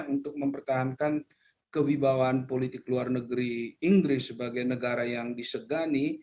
untuk mempertahankan kewibawaan politik luar negeri inggris sebagai negara yang disegani